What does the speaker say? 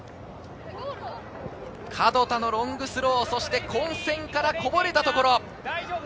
角田のロングスロー、そして混戦からこぼれたところ。